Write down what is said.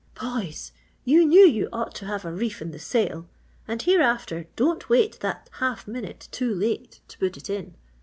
"Boys, you knew you ought to have a reef in the sail, and hereafter, don't wait that half minute too late to put it in.